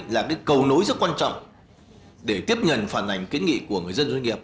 là cái cầu nối rất quan trọng để tiếp nhận phản ảnh kiến nghị của người dân doanh nghiệp